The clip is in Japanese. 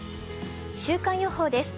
週間予報です。